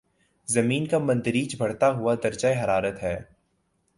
زمین کا بتدریج بڑھتا ہوا درجۂ حرارت ہے